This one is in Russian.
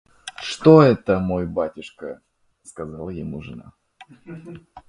«Что это, мой батюшка? – сказала ему жена.